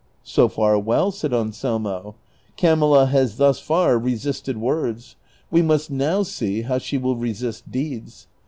"So far well," said Anselmo; "Camilla has thus far resisted 284 DON QUIXOTE. words ; we must now see how she will resist deeds.